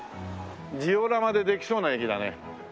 ジオラマでできそうな駅だね。